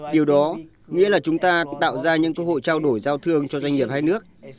điều đó nghĩa là chúng ta tạo ra những cơ hội trao đổi giao thương cho doanh nghiệp hai nước